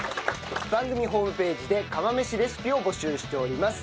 番組ホームページで釜飯レシピを募集しております。